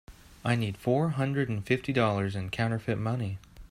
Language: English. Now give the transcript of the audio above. I need four hundred and fifty dollars in counterfeit money.